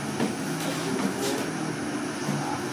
Agbokpowa.